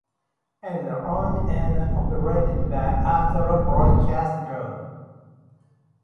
It is owned and operated by Astor Broadcast Group.